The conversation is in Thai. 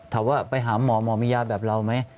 ถามว่าไปหาหมอหมอมียาแบบเราไหม